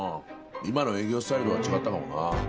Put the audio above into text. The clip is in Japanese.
今の営業スタイルとは違ったかもなあ。